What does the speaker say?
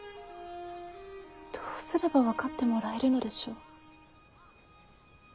どうすれば分かってもらえるのでしょう。